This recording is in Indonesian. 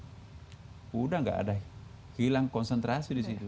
sudah tidak ada hilang konsentrasi di situ